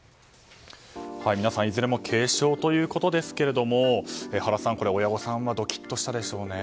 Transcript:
皆さん、いずれも軽傷ということですけども原さん、親御さんはドキッとしたでしょうね。